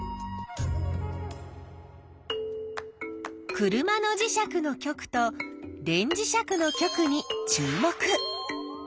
車の磁石の極と電磁石の極に注目！